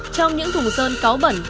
trong những thùng sơn cáo bẩn